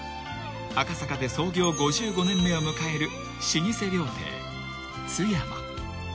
［赤坂で創業５５年目を迎える老舗］